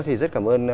thì rất cảm ơn